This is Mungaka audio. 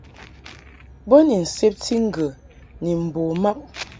Bo ni nsebti ŋgə ni mbo mab.